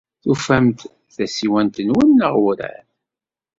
Tufam-d tasiwant-nwen neɣ werɛad?